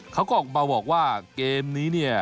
เขาก็ออกมาบอกว่าเกมนี้เนี่ย